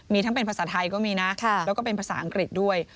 มีทั้งเป็นภาษาไทยก็มีนะแล้วก็เป็นภาษาอังกฤษด้วย